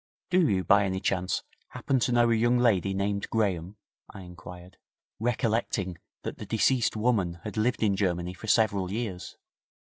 Do you, by any chance, happen to know a young lady named Graham?' I inquired, recollecting that the deceased woman had lived in Germany for several years.